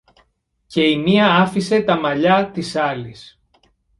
και η μια άφησε τα μαλλιά της άλλης.